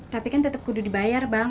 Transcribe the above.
tapi kan tetap kudu dibayar bang